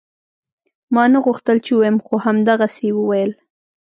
ما نه غوښتل چې ووايم خو همدغسې يې وويل.